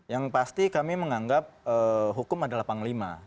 yang pasti kami menganggap hukum adalah panglima